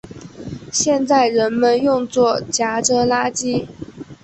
现在人们用作夹着垃圾。